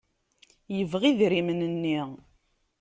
Yebɣa idrimen-nni.